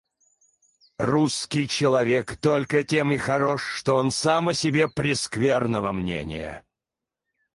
Русский человек только тем и хорош, что он сам о себе прескверного мнения.